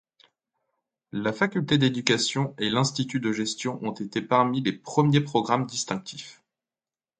La faculté d'éducation et l'institut de gestion ont été parmi les premiers programmes distinctifs.